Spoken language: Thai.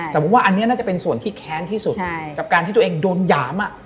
แต่ผมว่าอันนี้น่าจะเป็นส่วนที่แค้นที่สุดกับการที่ตัวเองโดนหยาม